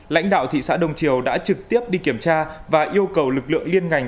lãnh đạo thị xã đông triều đã trực tiếp đi kiểm tra và yêu cầu lực lượng liên ngành